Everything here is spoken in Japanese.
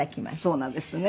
そうなんですってね。